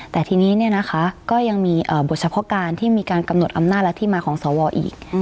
แต่ทีนี้ก็ยังมีบทเฉพาะการที่มีการกำหนดอำนาจและที่มาของสวอีก